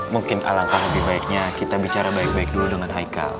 mungkin alangkah lebih baiknya kita bicara baik baik dulu dengan haikal